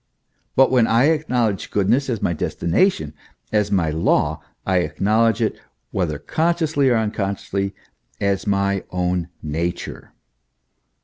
But when I acknowledge goodness as my desti nation, as my law, I acknowledge it, whether consciously or unconsciously, as my own nature.